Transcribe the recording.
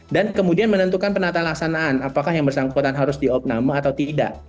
dan kemudian menentukan penatalaksanaan apakah yang bersangkutan harus diopname atau tidak